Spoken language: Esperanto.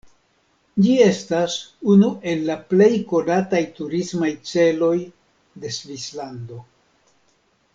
Ĝi estas unu el la plej konataj turismaj celoj de Svislando.